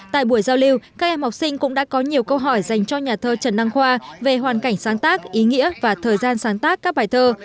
tại buổi giao lưu các em học sinh cũng đã có nhiều câu hỏi dành cho nhà thơ trần đăng khoa về hoàn cảnh sáng tác ý nghĩa và thời gian sáng tác các bài thơ